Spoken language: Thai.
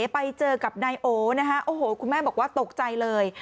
ไปเจอกับนายโอนะคะโอ้โหคุณแม่บอกว่าตกใจเลย